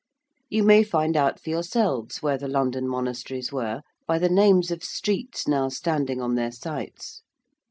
You may find out for yourselves where the London monasteries were, by the names of streets now standing on their sites.